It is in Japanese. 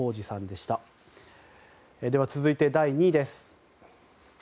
では続いて第２位です。